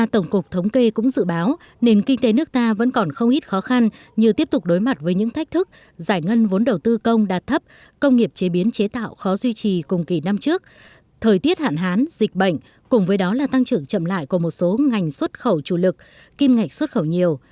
tổng cục thống kê cũng dự báo nền kinh tế nước ta vẫn còn không ít khó khăn như tiếp tục đối mặt với những thách thức giải ngân vốn đầu tư công đạt thấp công nghiệp chế biến chế tạo khó duy trì cùng kỳ năm trước thời tiết hạn hán dịch bệnh cùng với đó là tăng trưởng chậm lại của một số ngành xuất khẩu chủ lực kim ngạch xuất khẩu nhiều